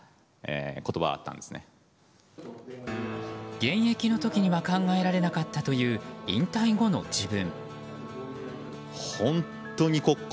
現役の時には考えられなかったという引退後の自分。